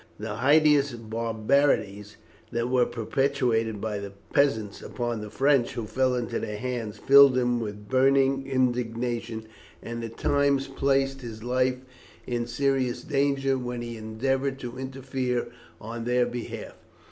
The hideous barbarities that were perpetrated by the peasants upon the French who fell into their hands, filled him with burning indignation, and at times placed his life in serious danger when he endeavoured to interfere on their behalf.